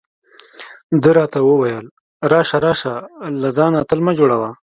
ده راته وویل: راشه راشه، له ځانه اتل مه جوړه.